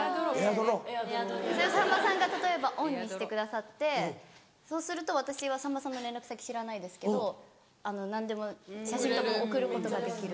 それをさんまさんが例えばオンにしてくださってそうすると私はさんまさんの連絡先知らないですけど何でも写真とか送ることができる。